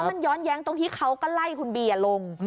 มันย้อนแย้งตรงที่เขาก็ไล่คุณบีลง